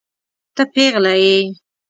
ته پيغله يې.